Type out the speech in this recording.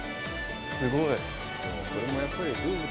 すごい。